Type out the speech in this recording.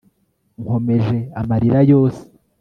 nkomeje amarira yose